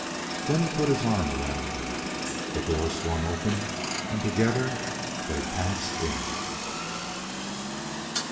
Then he put his arm around her; the door swung open, and together they passed in.